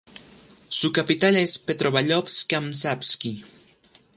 Su capital es Petropávlovsk-Kamchatski.